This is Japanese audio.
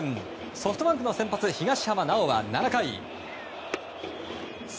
ソフトバンクの先発東浜巨は７回。